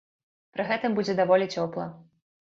Пры гэтым будзе даволі цёпла.